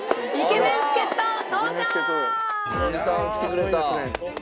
「克典さん来てくれた」